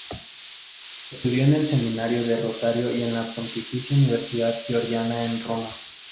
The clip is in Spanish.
Estudió en el seminario de Rosario y en la Pontificia Universidad Gregoriana en Roma.